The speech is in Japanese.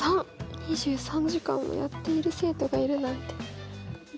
２３時間もやっている生徒がいるなんて。